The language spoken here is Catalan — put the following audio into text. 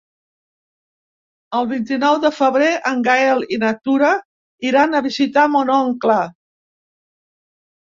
El vint-i-nou de febrer en Gaël i na Tura iran a visitar mon oncle.